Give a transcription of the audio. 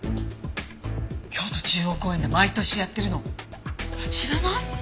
京都中央公園で毎年やってるの知らない？